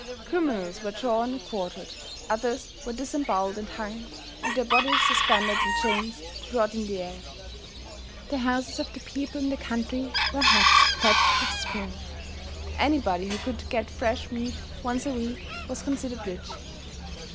Criminals were drawn and quartered; others were disemboweled and hung and their bodies suspended in chains to rot in the air. The houses of the people in the country were huts, thatched with straw. Anybody who could get fresh meat once a week was considered rich.